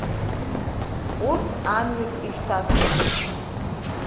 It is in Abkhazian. Урҭ амҩаҿ ишьҭасуан.